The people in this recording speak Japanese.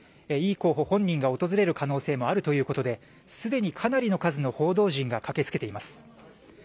イ候補本人が訪れる可能性もあるということですでにかなりの数の報道陣が駆けつけています。